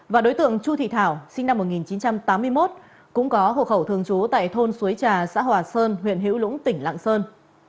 và đối tượng chu thị thảo sinh năm một nghìn chín trăm tám mươi một cũng có hộ khẩu thường trú tại thôn suối trà xã hòa sơn huyện hữu lũng tỉnh lạng sơn